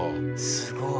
すごい！